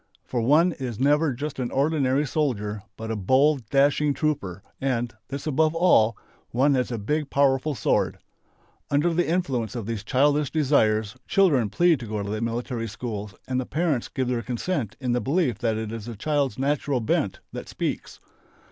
For one is never just an ordinary soldier but a bold, dashing trooper, and this above all! one has a big powerful sword. Under the influence of these childish desires children plead to go to the military schools and the parents give their consent in the belief that it is the children's natural bent that speaks.